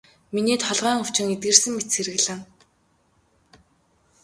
Миний толгойн өвчин эдгэрсэн мэт сэргэлэн.